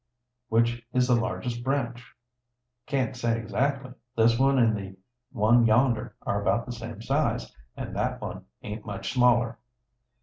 "Which is the largest branch?" "Can't say, exactly. This one an' the one yonder are about the same size, and that one aint much smaller."